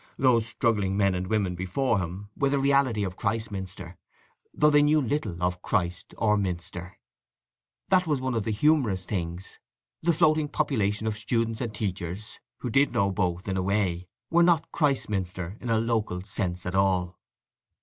These struggling men and women before him were the reality of Christminster, though they knew little of Christ or Minster. That was one of the humours of things. The floating population of students and teachers, who did know both in a way, were not Christminster in a local sense at all.